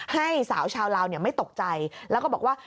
ให้สาวชาวลาวไม่ตกใจแล้วก็บอกว่า